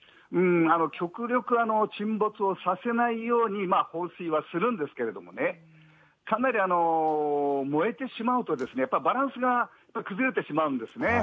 極力、沈没をさせないように放水はするんですけれどもね、かなり燃えてしまうとですね、やっぱりバランスが崩れてしまうんですね。